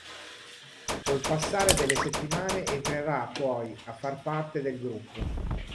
Col passare delle settimane entrerà poi a far parte del gruppo.